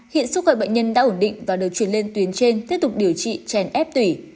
hiện sức khỏe bệnh nhân đã ổn định và được chuyển lên tuyến trên tiếp tục điều trị chèn ép tùy